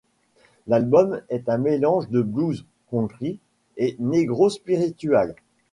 L'album est un mélange de blues, country et negro spiritual.